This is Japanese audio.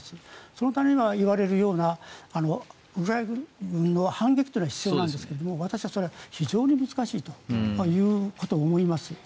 そのためにはいわれるようなウクライナ軍の反撃は必要なんですが私はそれは非常に難しいということを思います。